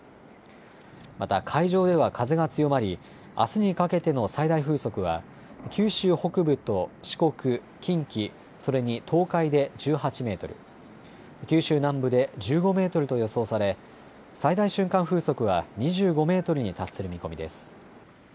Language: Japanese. また、海上では風が強まりあすにかけての最大風速は九州北部と四国、近畿、それに東海で１８メートル、九州南部で１５メートルと予想され最大瞬間風速は２５メートルに達する見込みです。